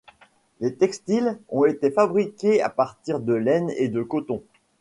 Les textiles ont été fabriqués à partir de laine et de coton.